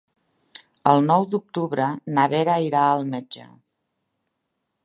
El nou d'octubre na Vera irà al metge.